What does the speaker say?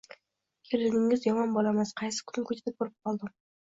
Keliningiz yomon bolamas, qaysi kuni ko‘chada ko‘rib qoldim.